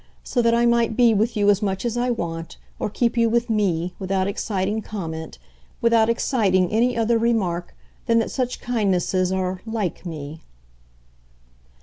so that I might be with you as much as I want, or keep you with ME, without exciting comment, without exciting any other remark than that such kindnesses are 'like' me."